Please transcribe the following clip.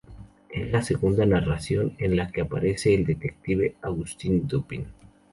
Es la segunda narración en la que aparece el detective Auguste Dupin.